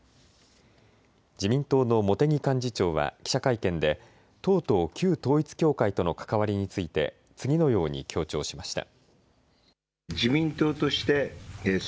自民党の茂木幹事長は記者会見で党と旧統一教会との関わりについて次のように強調しました。